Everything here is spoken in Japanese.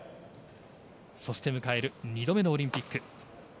そして迎える２度目のオリンピック。